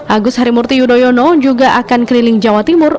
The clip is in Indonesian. agus harimurti yudhoyono juga akan keliling jawa timur